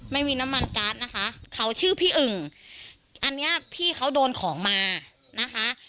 ไม่มีน้ำมันการ์ดนะคะเขาชื่อพี่อึ่งอันเนี้ยพี่เขาโดนของมานะคะ